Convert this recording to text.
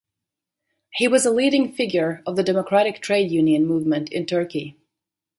He was a leading figure of the democratic trade union movement in Turkey.